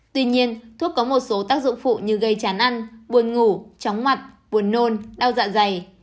tuy nhiên thuốc có một số tác dụng phụ như gây chán ăn buồn ngủ chóng mặt buồn nôn đau dạ dày